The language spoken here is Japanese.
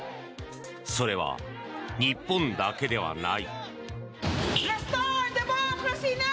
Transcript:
それは日本だけではない。